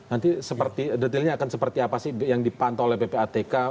nanti detailnya akan seperti apa sih yang dipantau oleh ppatk